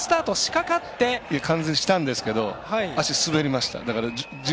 スタート完全にしたんですけど完全に滑りました。